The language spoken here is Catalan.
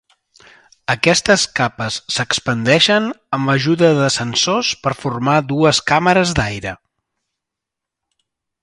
Aquestes capes s’expandeixen amb l’ajuda de sensors per formar dues càmeres d'aire.